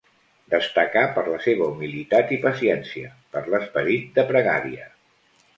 Destacà per la seva humilitat i paciència, per l'esperit de pregària.